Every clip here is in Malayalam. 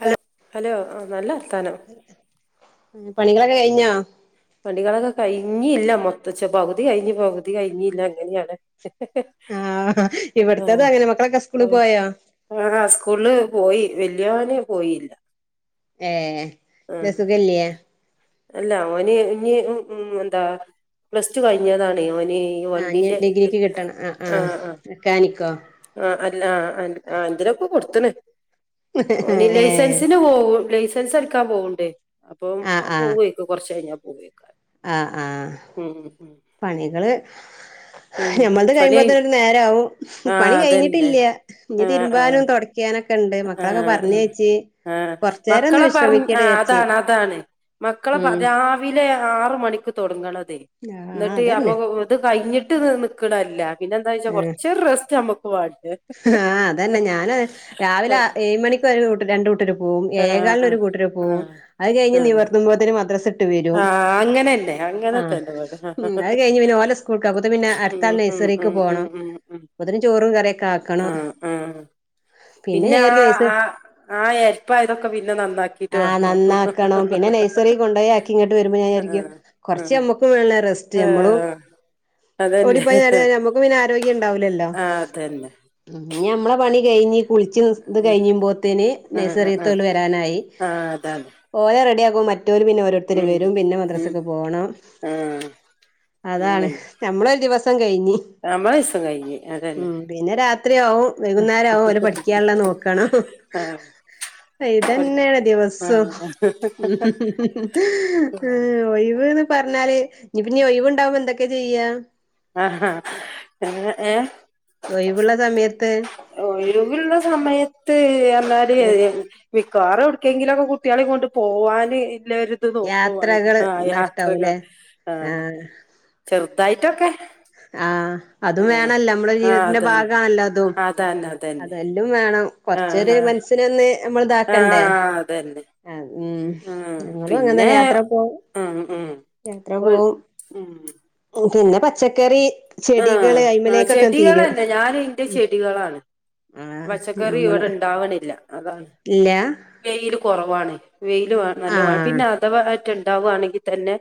ഹലോ ഹലോ ആ നല്ല വർത്താനം പണികളൊക്കെ കഴിഞ്ഞോ പണികളൊക്കെ കഴിഞ്ഞ ഇല്ല മൊത്തച്ച പകുതി കഴിഞ്ഞ് പകുതി കഴിഞ്ഞല്ല അങ്ങനെയാണ് ആഹ് ഇവിടത്തത് അങ്ങനെ മക്കളൊക്കെ ആ സ്കൂളിൽ പോയോ അ സ്കൂൾൽ പോയി വല്യോന് പോയില്ല ഏ ആ ന്തേ സുഖല്യ അല്ല ഓന് ഇ ഉ എന്താ പ്ലസ് ടു കഴിഞ്ഞതാണ് ഓൻ ആഹ് ഇനി വണ്ടിന്റെ ഇ ഡിഗ്രിക്ക് കിട്ടണം ആഹ് ആ ആഹ് ആ മെക്കാനിക്കോ ആ അല്ല ആ എന്തിനൊക്കെ കൊട് ത്ത്ണ്. വനീ ഏഹ് ലൈസൻസിന് പോകും ലൈസൻസ് [unintelligible] പോവ്ണ്ട് അപ്പം പോവേക്കും കൊർച്ച് കഴിഞ്ഞ ആ ആ ഉം പണികള് ഉം ഞമ്മത് പണി കഴിയുമ്പോത്തേനൊരു നേരം ആവും പണി ആഹ് അതന്നെ കഴിഞ്ഞിട്ടില്യ ഇനി ആഹ് ആഹ് തിരുമ്പാനും തൊടയ്ക്കാനൊക്കെ രണ്ടെ മക്കളൊക്കെ ആഹ് ആഹ് പർഞ്ഞേച്ച് ആഹ് കൊർച്ചേരം ഒന്ന് മക്കളെ പറ വിശ്രമിക്കട്ടേ ആഹ് രാച് അതാണ് അതാണ് മക്കളെ രാവിലെ ആറു മണിക്ക് തുടങ്ങണതെ ആഹ് ന്നിട്ട് അപ്പൊ അതന്നെ ഇത് കഴിഞ്ഞിട്ട് നിക്കണല്ല പിന്നെ എന്താച്ചാ കൊർച്ച് റെസ്റ്റ് നമ്മക്ക് വേ ഹാ അതന്നെ ഞാന് രാവിലെ ആഹ് ഏഴ് മണിക്ക് ഒരു രണ്ടൂട്ടരു പോവും ഏയേ ആഹ് കാലിനൊരു കൂട്ടരു പോവും ആഹ് അയ് കയിഞ്ഞ് ആഹ് നിവർത്തുമ്പോത്തേനെ മദ്രസ്സ് ട്ട് വരും. ആഹ് അങ്ങനെന്നെ അ അങ്ങനെ തന്നെ ഇവിടെ അയ് കയ്ഞ്ഞ് ഓലെ സ്കൂൾക് അപ്പോത്ത് പിന്നെ ഉം അട്ത്തെ ആളെ ഉം നയ്സ് റീക്ക് ഉം പോണം അപ്പോത്തിന് ചോറും കറീക്കെ ആക്കണം. ആ ആ പിന്നെ ഞാൻ ആ വിചാരിക്കും നഴ്സ ആ ആ എര്പ്പായതൊക്കെ പിന്നെ നന്നാക്കിട്ട് ആഹ് വാണം നന്നാക്കണം പിന്നെ നഴ്സറി കൊണ്ടോയി ആക്കി ഇങ്ങോട്ട് വരുമ്പോ ഞാൻ വിചാരിക്കും കൊർച്ച് നമ്മക്കും വേണല്ലോ റെസ്റ്റ് നമ്മളും ആഹ് അതന്നെ ഓടിപ്പോയി നേര നമുക്ക് പിന്നെ ആരോഗ്യം ഉണ്ടാവൂല്ലല്ലോ ആഹ് അതന്നെ ഇന്ന് ഞമ്മളെ പണി കഴിഞ്ഞ് കുളിച്ചു ഇത് കയിമ്പോത്തേന് ആഹ് ആഹ് ആഹ് നഴ്സറീതോൽ വരാനായി ആഹ് അതാണ് ഓരെ റെഡി ആ മറ്റോര് പിന്നെ ഓരോരുത്തരു ഉം വരും പിന്നെ ഉം മദ്രാസയ്ക്കെ പോകണം ആഹ് അതാണ് അങ്ങനെന്നെ നമ്മളൊരു ദിവസം. കയിഞ്ഞു നമ്മളെ ദിവസം കഴിഞ്ഞ് അതന്നെ പിന്നെ രാത്രി ആവും വൈകുന്നേരാവും അവരെ പഠിക്കാനുള്ള നോക്കാണം ആഹ് ഇതന്നെയാണ് ദിവസവും ആഹ് ഒയ് വ് ന്ന് പറഞ്ഞാലേ ഇന്ന് പ്പൊ ഒയ്വ് ണ്ടാവോ എന്തൊക്കെ ചെയ്യാ ഒഴിവുള്ള സമയത്ത് ഒയ്വുള്ള സമയത് എന്നാലേ മിക്കാറും എവിടെക്കെങ്കിലുമൊക്കെ കുട്ടികളേ കൊണ്ട് പോവാനെ എല്ലാരിതെ നോക്കുവാണെ യാത്രകള് ആ ഇണ്ട യാത്രകൾ ഇഷ്ടാവൂല്ലേ ആ ചെറുതായിട്ടൊക്കെ ആ ആ അതും വേണല്ലോ നമ്മുടെ ആ ജീവിതത്തിന്റെ അതന്നെ ഭാഗാണല്ലോ അതും അതന്നെ അതന്നെ അതെല്ലം വേണം ആ കൊറച്ചേ രെ ആ മനസ്സിനൊന്നേ ആ നമ്മളിതാക്കണ്ടേ അതന്നെ ഉ ആ ഞങ്ങളും പിന്നെ അങ്ങനെതന്നെ യാത്ര പോവും ഉം ഉം യാത്ര ഒരു പോവും ഉം ഉം പിന്നെ പച്ചക്കറി ആ ചെടികള് ആ അയ്മലേക്കൊക്കെ തീരും ചെടികളന്നെ ഞാനെന്റെ ചെടികളാണ് ആഹ് പച്ചക്കറി ഞമ്മള് ഇവിടെ ഇണ്ടാവാണില്ല അതാണ് ഇല്ല വെയിലെ കൊറവാണ് വെയിലു ആ നല്ല ആഹ് പിന്നെ അഥവാറ്റുണ്ട് ഉണ്ടാവണെങ്കിൽ തന്നെ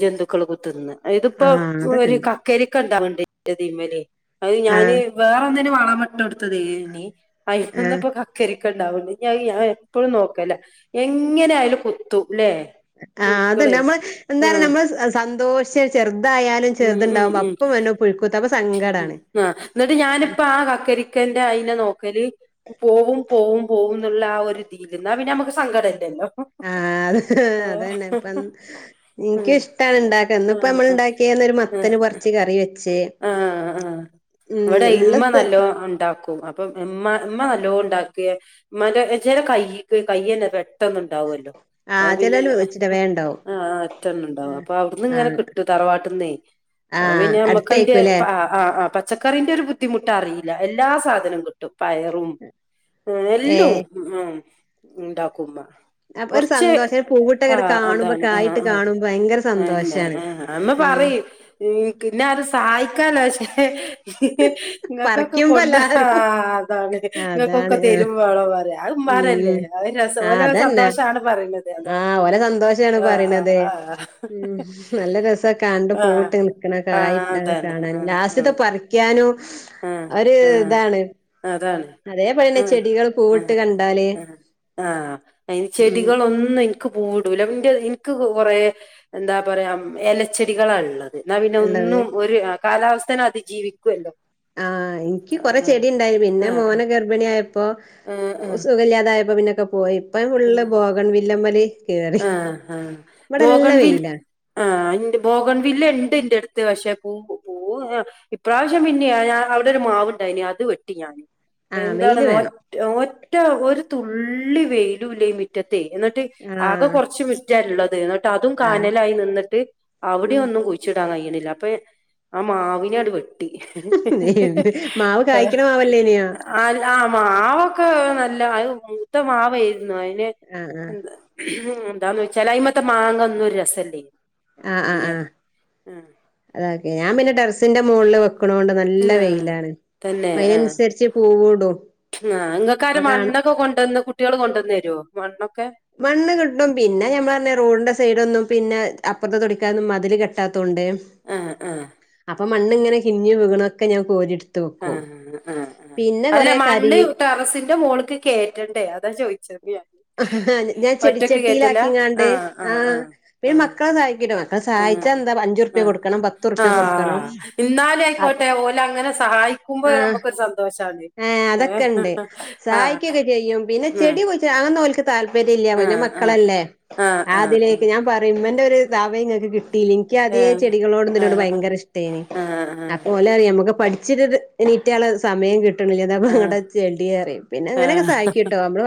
ജന്തുക്കൾ കുത്തുന്ന് ഇതിപ്പോ ആഹ് ഒരു അതൊക്കെണ്ട് ക ണ്ടലെ അതെ ഞാനെ ആഹ് വേറെ എന്തേലും വളമിട്ടെടുത്തതി നീ ആയിഫ ആഹ് വന്നപ്പം കക്കരിക്ക ഉണ്ടാവും ഞാ ഞാനെപ്പോഴും നോക്കലാ എങ്ങനായാലും കുത്തു ആ അത് നമ്മള് എന്താണെ ആഹ് നമ്മളെ സന്തോഷേച്ചെറങ്ങും ന്നാലും ചേർതുണ്ടാവും അപ്പം എന്നോ പുഴുക്കുത്തെ ഉ ആഎന്നിട്ട് ഞാനിപ്പ ആ കക്കരിക്കന്റെ അയിനെ നോക്കല് പോവും പോ പോവും പോവുന്നൊള്ള ആ ഒരു തീൽ എന്നാ പിന്നെ നമുക്ക് സങ്കടം ഇല്ലല്ലോ ആ അ അതന്നെ ഇപ്പം ഉം എനിക്ക് ഇഷ്ട ണ്ടാക്ക ഇന്ന് ആഹ് ഇപ്പമ്മള് ഉണ്ടാക്കിയ മത്തന് പറിച്ച് കറി വെച്ച ആ ആ ഇവിടെ ഇള്ള ഇമ്മ സ്ഥ നല്ലോ ഉണ്ടാക്കും അപ്പം ഇമ്മ ഇമ്മ നല്ലോണം ഉണ്ടാക്കെ മ്മൻ്റെ ചില കൈക്ക് കൈയന്നെ ഇപ്പനെ ഉണ്ടാവുല്ലോ അ ആഹ് പിന്നെ ചെലോല് വെച്ചിട്ട് വേണ്ടാവും ആ അറ്റണ്ണനണ്ടാവും ആഹ് അപ്പൊ അവിടുന്നിങ്ങനെ ആഹ് കിട്ടു തറവാട്ടന്നേ അ ആഹ് പിന്നെ നമ്മക്കയിന്റെ അടുത്തായിക്കൂല്ലേ ആ ആ പച്ചക്കറിൻ്റൊരു ബുദ്ധിമുട്ടറിയില്ല എല്ലാ സാധനവും കിട്ടും പയറും ആ എല്ലും ഏഹ് ആ ഉണ്ടാക്ക്മ്മ അപ്പൊ ഒരു കുറച്ച് സന്തോഷം ആ പൂവിട്ടങ്ങനെ കാണുമ്പോ അതാണ് ആഹ് കായിട്ട് ആഹ് കാണുമ്പോ ഭയങ്കര ആന്ന സന്തോഷാണ് ആമ്മ ഉം പറയും പിന്നര് സഹായിക്കാലോക്ഷേ നിങ്ങൾക്കൊക്കെ പറിക്കുമ്പോ കൊണ്ട എല്ലാരും അതാണ് നിങ്ങൾക്കൊക്കെ അതാണ് ആഹ് തരുമ്പോള പറയാ അ ഉം മരലെ ഉം അ രസാ ആഹ് ഓല അതന്നെ സന്തോഷാണ് പറയുന്നത് അതാണ് ആഹ് ഓലെ സന്തോഷാണ് ആ പറയണത് ആ ഉം ആ നല്ല രസ കണ്ട് ആഹ് പോട്ട് നിക്കണ കടയ് ആഹ് അതാണ് കാണാൻ ആഹ് ആഹ് ലാസ്റ്റിതെ പറ ക്കാനും ഒരു ആഹ് ആഹ് ഇതാണ് അതാണ് അതേപോലെന്നെ ചെടികൾ പൂവിട്ട് കണ്ടാലെ ആഹ അതിന് ചെടികളൊന്നും എക്ക് കൂടല എനിക്ക് കുറെേ എന്താ പറയാ എലച്ചെടികളാണ് ഉള്ളത് എന്ന പിന്നെ ഉള്ളത് ഒന്നും ഒരു കാലാവസ്ഥനെ അതിജീവിക്കുവല്ലോ ആ എനിക്ക് കൊറെ ആഹ് ചെടി ഉണ്ടായിരുന്നു പിന്നെ ആഹ് മോനെ ഗർഭിണിയായ ഇപ്പൊ ആഹ് ആഹ് സുഖില്ലാതായപ്പോ പിന്നൊക്കെ പോയിപ്പ ഫള്ള് ആഹ് ബോഗൺ വില്ലമ്മലെ കേറി ആഹ് ആഹ് ഇമ്മടെ എല്ലാം ബോഗൺവിൽ വെയില ആഹ് ഇന്റെ ബോഗൺ വില്ല ഇണ്ട് ഇന്റെടുത്ത് ത്ത് പക്ഷെ പൂം പൂ ഇപ്രാവശ്യം പിന്നെയ ഞാൻ അവിടെ ഒരു മാവുണ്ടായിനി അത് വെട്ടി ഞാന് ആഹ് വെയില് എന്താണ്ന്നൊ വേണം ഒറ്റ് ഒറ്റ ഒരു തുള്ളി വെയിലുല്ല മീറ്റ എന്നിട്ട് ആകെ ആഹ് കുറച്ച് മിറ്റള്ളത് എന്നിട്ട് അതും ആഹ് കാനലായി നിന്നിട്ട് അവിടെ ഉം ഒന്നും കുയിച്ചിടാൻ കയ്യണില്ല അപ്പൊ ആ മാവിനെ അട് ഇഹ് മാവ് കായ്ക്കണ മാവല്ലേനിയോ ആൽ അ മാവൊക്കെ നല്ല അത് മൂത്ത മാവ ആയിരുന്നു അതിന് ആഹ് ആഹ് ഉ എന്താന്ന് വെച്ചാല് അയി മത്തെ മാങ്ങ ഒന്നും ഒരു രസമല്ലേ ആ ആ ആ അതക്കെ ഞാൻ പിന്നെ ടെറസിന്റെ മുളില് വെക്കും കൊണ്ട് നല്ല ആഹ് വെയിലാണ് അപ്പ അതിനനുസരിച്ച് പൂവൂടും ആ അപ്പൊ നിങ്ങൾക്കാര് കാണ മണ്ണൊക്കെ കൊണ്ടുവന്ന് കുട്ടിയള് കൊണ്ടന്നു തരുവോ മണ്ണ് കിട്ടും പിന്നെ ഞമ്മള് പറഞ്ഞ റോഡിന്റെ സൈഡോന് പിന്നെ അപ്പുറത്തെ തൊടിക്കാനൊന്നും മതില് കെട്ടാത്ത ആ ആ അപ്പോ മണ്ണിങ്ങനെ കിഞ്ഞ് വിണൊക്കെ ഞാ കോരിടു ആ ആ ആ് അല്ല കരി മണ്ണ് ടെറസിന്റെ മോൾക്ക് കേയറ്റണ്ടേ അതാ ചോദിച്ചത് ഞാൻ ഞാൻ ഒറ്റക്ക് കേറ്റലാ ചെടിച്ചട്ടിയിലാക്കിങ്ങാണ്ട ആഹ് ആ ആഹ് ആഹ് ആഹ് മക്കള്ള് സായിക്കിട ആഹ് സഹായിച്ചാ എന്താ അഞ്ചു റുപ്യ ആഹ് കൊടുക്കണം പത്ത റുപ്യ കൊടുക്കണം ആഹ് ഇന്നാലും അ ആയിക്കോട്ടെ ഓലെ അങ്ങനെ സഹായിക്കുമ്പോ ആ നമുക്കൊരു സന്തോഷാണ് ഏ ഏഹ് അതൊക്കെ ണ്ട് ആഹ് സായിക്കൊക്കെ ചെയ്യും പിന്നെ ചെടി കുഴിച് അ ക്ക് താല്പര്യം ഇല്ല പിന്നെ ആഹ് ആഹ് മക്കളല്ലേ ആഹ് ആഹ് ആഹ് ആതിലേക്ക് ഞാൻ പറയുമ്മന്റെ ഒരു താവയുംങ്ങക്ക് കിട്ട ലിക്ക് അതേ ആഹ് ഏഹ് ചെടികളോട്തിനോട് ആഹ് ഭയങ്കര ഇഷ്ടായിനി ആഹ് അപ്പോലറിയാമക്ക് പഠി ഇച്ചിരി എണീറ്റാല് സമയം കി കിട്ട്ന്നില്ലെന്ന് അങ്ങട്ടോചെല്ടിയ അരിയും ആഹ് ആഹ് ആഹ് അങ്ങനെയൊക്കെ സഹായിക്കു ട്ടോ നമ്മള്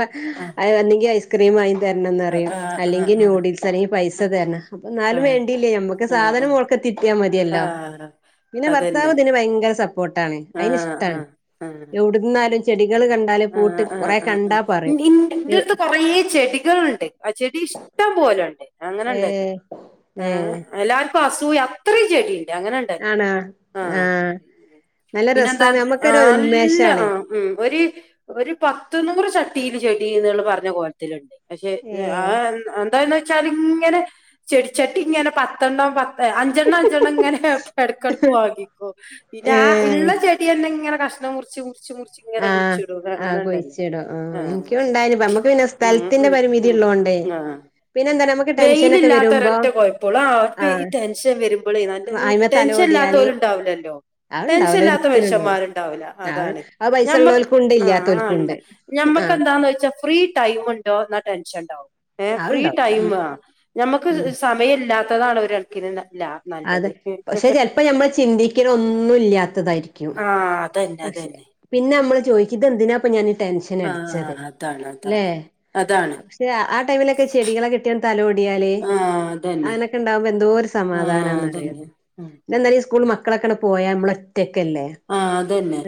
ഒന്നെങ്കി ഐസ്ക്രീം ആയി രണന്നറയും ആഹ് ആഹ് ആഹ് ആഹ് ആഹ് അല്ലെങ്കിൽ നൂഡിൽസ് അല്ലെങ്കിൽ പൈസ തരണം അപ്പ ആഹ് ന്നാലും ആഹ് വേണ്ടില്ല നമുക്ക് ആഹ് സാധനം മോൾക്ക് ആഹ് കിട്ടിയാ മതിയല്ല ആഹ് പിന്നെ ഭർത്താവ് അതന്നെ ഇതിന് ഭയങ്കര സപ്പോർട്ടാണ് അയിന്ന് ആഹ് ഇഷ്ടാണ് ആഹ് ആഹ് എവിടുന്നാലും [unintelligible] കണ്ടാല് പൂട്ട് ആഹ് ആഹ് കുറെ ആഹ് ആഹ് കണ്ടാ പറയും ഇന്റെടുത്ത് കൊറെ ചെടികളുണ്ട് ആഹ് ചെടി ഇഷ്ടം പോലെണ്ട് അങ്ങനെ ഏ ഉണ്ടാല്ലോ ഏ എല്ലാവർക്കും അസൂയ അത്രയും ചെടികള്ണ്ട് അങ്ങനെ ഉണ്ടല്ലോ ആണോ ആഹ് നല്ല പിന്നെന്താ രസാണ് നമ്മുക്കൊരു ആഹ് നല്ല ഉന്മേഷാണ് ആഹ് ഉം ഒരു ഒരു പത്ത് നൂറ് ചട്ടിയില് ചെടിന്ന് പറഞ്ഞ കോലത്തിലുണ്ട് പക്ഷെ ഏ അഹ് എന്താന്ന് വെച്ചാൽ ഇങ്ങനെ ചെടിച്ചട്ടി ഇങ്ങനെ പത്തണ്ണം പത്ത് അഞ്ചെണ്ണം അഞ്ചെണ്ണം ഇങ്ങനെ എടക്കിടക്ക് വാങ്ങിക്കോ പിന്നെ ഏ ആഹ് ഉള്ള ചെട്ടിയ തന്നെ ഇങ്ങനെ കഷ്ണം മുറിച്ച് മുറിച്ച് മുറിച്ച് ആഹ് ഇങ്ങനെകുയിച്ണ്ട് ആഹ് കുഴിച്ചിടോ ആഹ് എനിക് ഉണ്ടായി നി നമ്മുക്ക് പിന്നെ ഉം സ്ഥലത്തിന്റെ പരിമിതി ഉള്ളോട്ട് പിന്നെ വെയിൽ ഇല്ലാത്തഒ രറ്റ കുഴപ്പോള്ളൂ അവർക്ക് ഈ ആഹ് ടെൻഷൻ വരുമ്പോൾ നല്ല അയിമെ ടെൻഷൻ ഇല്ലാത്ത തലോടിയാല് ണ്ടാവില്ലല്ലോ അത്ണ്ടാവൂല ടെൻഷൻല്ലാത്ത ഒരിക്കലും ഉണ്ടാവൂല മനുഷ്യന്മാരുണ്ടാവില്ല ആ അതാണ് അത് പൈസ ഞമ്മക്ക് ഉള്ളോൽക്കുണ്ട് ആഹ് ആഹ് ഇല്ലാത്തോൽക്കുണ്ട് ഉണ്ട് ഞമ്മക്ക് ആഹ് എന്താന്ന് വെച്ചാൽ ഫ്രീ ടൈം ഉണ്ടോ എന്നാൽ ടെൻഷൻ ഉണ്ടാവും ഏ ആഹ് ഫ്രീ ഉണ്ടാവും ടൈം ആ ഞമ്മക്ക് സമയംല്ലാത്തതാണ് ഒര് കണക്കിന് നല്ല അതെ പക്ഷെ ചെലപ്പോ നമ്മൾ ചിന്തിക്കണ ഒന്നും ഇല്ലാത്തതായിരിക്കും ആ അതന്നെ പക്ഷെ അതന്നെ പിന്നെ നമ്മള് ചോദികും എന്തിനാപ്പൊ ഞാൻ ടെൻഷൻ ആ അടിച്ചത് അതാണ് ല്ലേ അതാണ് അതാണ് പക്ഷെ ആഹ് ടൈമിലൊക്കെ ചെടികളെ കെട്ടിയ തലോടിയാലേ ആ അതന്നെ അങ്ങനൊക്കെ ഉണ്ടാകുമ്പോ എന്തോരു ആ സമാധാനം അതന്നെ ഉം സ്കൂളിൽ മക്കളൊക്കെ പോയാമ്മള ആഹ് അതന്നെ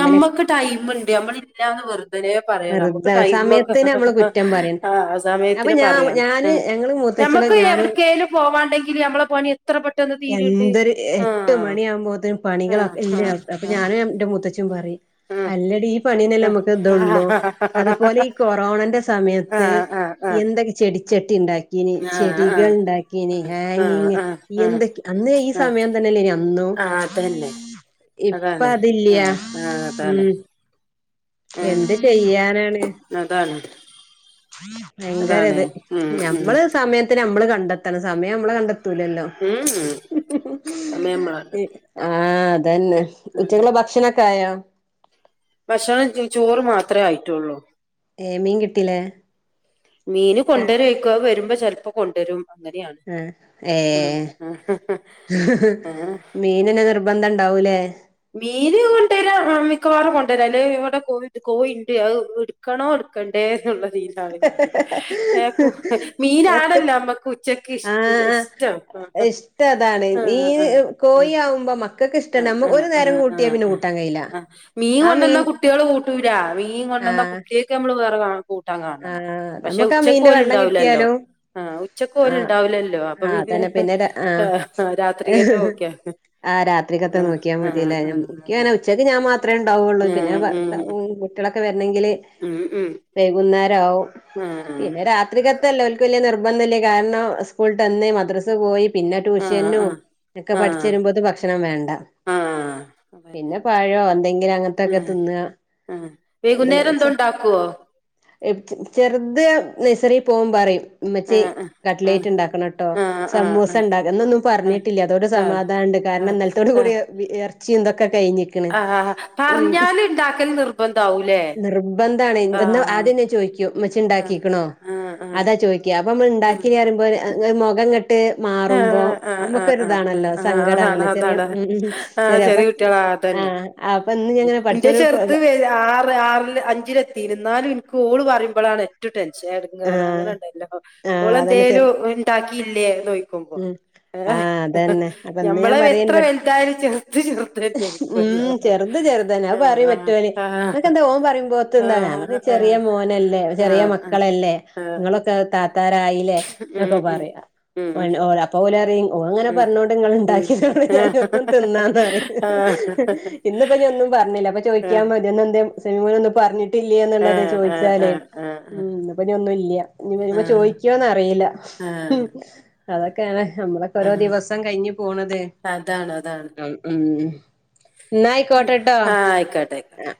ഇവലെ ടൈമുണ്ട് നമ്മള ഇല്ലാന്ന് വെറുതനെ പറയ നമുക്ക് വെറുതെ ടൈമ ഒക്കെ സമയത്തിന് നമ്മള് കുറ്റം പറയും ആഹ് അപ്പൊ സമയത്തിന് ഞാ പറയാണ് ഞാന് നമ്മക്ക് ഞങ്ങള് നമക്ക് മൂത്തച്ഛളും എവിടോ ഞാനും കെലും പോവാണ്ടെങ്കില് നമ്മളെ പണി എത്ര പെട്ടെന്ന് തീരുണ്ട് ആഹ് പണികള ആഹ് അപ്പൊ ആഹ് ഞാനും എന്റെ മുത്തച്ചി പറയും ആഹ് അല്ലഡി ഈ പെണീന്നല്ലേ നമുക്ക് ഇത ഉള്ളൂ ആഹ് ആഹ് അതുപോലെ ഈ കൊറോണന്റെ സമയത്ത് ആഹ് ആഹ് ആഹ് എന്തൊക്കെ ചെടിച്ചട്ടി ഉണ്ടാക്കി ആഹ് ആഹ് ആഹ് ചെടികൾ ഉണ്ടാക്കിന് ആഹ് ഹാങ്ങിങ്, ആഹ് ആഹ് എന്തൊ അന്ന് ഈ ആഹ് സമയം തന്നെല്ല അന്നും. ആഹ് അതന്നെ ഇപ്പ അതാണ് അതില്ല ആഹ് ആഹ് അതാണ് ഉം ആഹ് എന്ത് ചെയ്യാ? അതാണ് ഭയങ്കര അതാണ് ഇത് ഉം ഉം ഞമ്മള് സമയത്തിന് നമ്മള് കണ്ടെത്തണം സമയം നമ്മള് കണ്ടെ തുലല്ലോ ഉം അമ്മ നമ്മള ആഹ് അതന്നെ ഉച്ചക ഭക്ഷണൊക്കെ ആയോ ഭക്ഷണം ചോറ് മാത്രമേ ആയിട്ടുള്ളൂ ഏഹ് മീൻ കിട്ടീലേ മീന് കൊണ്ടുവരക്ക വരുമ്പോ ചിലപ്പോ കൊണ്ടരും ആഹ് ഏഹ് ആ ആ മീനന നിർ നിർബന്ധം ഉണ്ടാവൂല്ലേ മീൻ കൊണ്ടുവരാ മിക്കവാറും കൊണ്ടരാ അല്ല ഇവിടെ കോഴിണ്ട് എടുക്കണോ എടുക്കണ്ടേ എന്നുള്ളത് [unintelligible] എത്ത് മീനാടല്ലോ നമ്മക്ക് ഉച്ചക്ക് ആഹ് ഇഷ്ടം ആ ഇഷ്ടം അതാണ് ആ നീ ആ കോഴി ആവുമ്പോ മക്ക ക് ഇഷ്ട ഒരു നേരം കൂട്ടിയ പിന്നെ കൂട്ടാ കഴയില്ല ആഹ് മീൻ കൊണ്ടന്ന കുട്ടികള് കൂട്ടൂല മീൻ കൊണ്ടന്ന ആഹ് കുട്ടിയൊക്കെ നമ്മള് വ.. കൂട്ടാൻ ആ കാണണ പക്ഷെ നമുക്ക് ആ മീന്റെ ഉച്ചക്കോലും വെള്ളം ഉണ്ടാവലല്ലോ കിട്ടിയാലും ആഹ ഉച്ചക്ക് ആ ഓല് ഉണ്ടാവില്ലല്ലോ അപ്പൊ ആ പിന്നെ അതന്നെ ര- ആ രാത്രി കക് നോക്കി യാ മതി. ആരാ രാത്രിക്കത്തെ നോക്കിയാൽ മതില്ലേ ആ എനിക്ക്ങ്ങനെ ഉച്ചക്ക് ഞാൻ മാത്ര ഉണ്ടാവുകയുള്ളൂ ഉം പിന്നെ ഉം ഭർത്താവും കുട്ടളൊക്കെ വരണെങ്കിൽ ങ്കില് ഉം ഉം വൈകുന്നേരം ആവും പിന്നെ ആഹ് രാത്രിക്ക അല്ല ഓല്ക്ക് വല്യ നിർബന്ധുല്ല കാരണം സ്കൂള് വിട്ട് വന്ന മദ്രസ് പോയി പിന്നെ ട്യൂഷനും ആഹ് ഒക്കെ പഠിച് ആഹ് വരുമ്പോത്ത് ഭക്ഷണം വേണ്ട. ആഹ് ആഹ് അതന്നെ പിന്നെ പഴോ എന്തെങ്കിലും അങ്ങനത്തൊക്കെ ആഹ് തിന്നുക ആഹ് വൈകുന്നേരം എന്തോ ഉണ്ടാക്കുവോ ചെറുത് നഴ്സറിൽ പോം പറയും ഉമ്മച്ചി ആഹ് ആഹ് കട്ട്ലേറ്റ് ഉണ്ടാക്കണംട്ടോ ആഹ് സമൂസ ആഹ് ഉണ്ടാക്ക് എന്നൊന്നും ആഹ് പറഞ്ഞിട്ടില്ല അതോണ്ട്‌ ആഹ് സമാധാനണ്ട് ആഹ് കാരണം ആഹ് ഇന്നലത്തോട് കൂടി ആഹ് ർ ക്ക കഴിഞ്ഞേക്ക്ണ് ആഹ് ആഹ് പറഞ്ഞാല് ഇണ്ടാക്കൽ നിർബന്ധാവൂലേ ഉം--നിർബന്ധം ആഹ് ആദ്യോന്നെ ചോദിക്കും ഉമ്മച്ചി ആഹ് ഇണ്ടാക്കിക്കണോ ആഹ് അതാ ചോദിക്ക ഇപ്പൊ മ്മള് ആഹ് ഇണ്ടാക്കലറിയുമ്പോ മുഖം മാറുമ്പോ ആഹ് ആഹ് ആഹ് ആഹ് നമ്മുക്കൊരിതാണല്ലോ ആഹ് ആഹ് അതാണ് സങ്കടണല്ലോ ചെറിയ അതാണ് ഉം ആഹ് ചെറിയ അപ്പൊ കുട്ടികളാ അതന്നെ ആഹ് അപ്പൊ ഇന്ന് ഞാങ്ങനെ ന്റെ പഠിച്ചോനോട് ചെർത് ആറ് ആറില് അഞ്ചില് ഇരുന്നാലും എനിക്ക് ഓള് പറയുമ്പോഴാണ് ഏറ്റവും ടെൻ ആഹ് [inaudible] ഓള് ആഹ് അതന്നെ ചെർ എന്തേലും ഉണ്ടാക്കിയില്ലേ എന്ന് ഉം ആഹ് അതന്നെ അപ്പൊ ഇന്ന് ഞാൻ ഞമ്മള് എത്ര പറയേനി വെലുതായാലും ചേർത് ചേർത് ന്നെ ഉം ചെറുത് ചെറുതന്നെ അപ്പ പറയും മറ്റോന് ആഹ് ഇങ്ങക്കെന്താ ഓൻ പറയുമ്പോ [inaudible] ഞാൻ ആഹ് പറയും ചെറിയ ആഹ് മോനല്ല ല്ല ചെറിയ ആഹ് മക്കളല്ലേ ആഹ് ആഹ് നിങ്ങളൊക്കെ താത്താരായില്ലേ ഉം ഇങ്ങൊക്കെ പറയാ ഉം ഉം ഓ അപ്പോലറയും ഓലിങ്ങനെ ഉം പറഞ്ഞോണ്ടിങ്ങള് ഉണ്ടാക്കിയോണ്ട് ഉം [inaudible] ആഹ് ഇന്നിപ്പ ഞാന്നും പറഞ്ഞില്ല അപ്പൊ ചോദിക്കാ [inaudible] ആഹ് ല്ല്യേനാനുള്ളത് എന്നുള്ളത് ആഹ് ആഹ് ചോയ്ച്ചാലേ ആഹ് ഉം ഇപ്പ ഒന്നും ഇല്ല്യ ഇനി വരുമ്പോ ആഹ് ചോയിക്കുവോന്നറിയില്ല ആഹ് ആഹ് അതൊക്കെയാണ് നമ്മളൊക്കെ ഓരോ ആഹ് ദിവസം കയിഞ് പോണത് ഉം ന്നായിക്കോട്ടെട്ടോ ആഹ ആയിക്കോട്ടെ ആയിക്കോട്ടെ